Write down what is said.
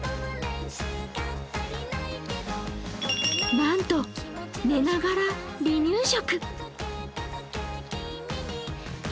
なんと寝ながら離乳食。